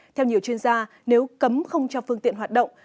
theo nhiều chuyên gia nếu cấm không cho phương tiện hoạt động